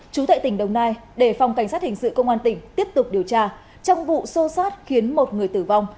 chú tệ tỉnh đồng nai để phòng cảnh sát hình sự công an tỉnh tiếp tục điều tra trong vụ sâu sát khiến một người tử vong